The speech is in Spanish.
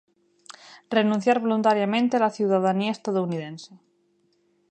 Renunciar voluntariamente a la ciudadanía estadounidense.